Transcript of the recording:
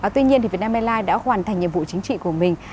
tuy nhiên việt nam airlines đã hoàn thành nhiệm vụ chính trị của mình